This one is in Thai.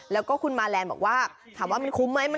แล้วก็คุณมาแลนด์บอกว่าถามว่ามันคุ้มไหม